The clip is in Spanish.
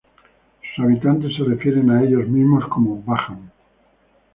Sus habitantes se refieren a ellos mismos como "Bajan".